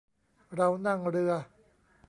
เรานั่งเรือ